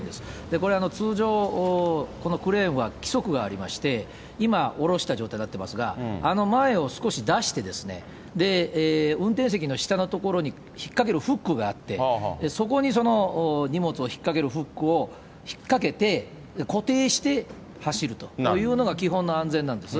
これ、通常、このクレーンは規則がありまして、今、おろした状態になっていますが、あの前を少し出してですね、運転席の下の所に引っ掛かるフックがあって、そこに荷物を引っ掛けるフックを引っ掛けて、固定して走るというものが基本の安全なんです。